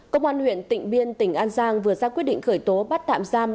công an huyện tịnh biên tỉnh an giang vừa ra quyết định khởi tố bắt tạm giam